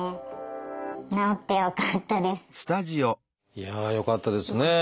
いやあよかったですね。